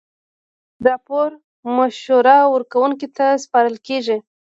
راپور مشوره ورکوونکي ته سپارل کیږي.